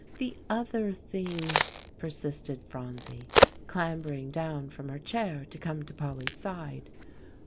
"The other thing," persisted Phronsie, clambering down from her chair to come to Polly's side.